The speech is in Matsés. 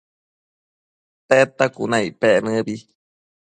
Tedta cuna icpec nëbi